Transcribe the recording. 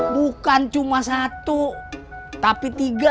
bukan cuma satu tapi tiga